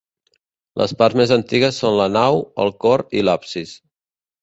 Les parts més antigues són la nau, el cor i l'absis.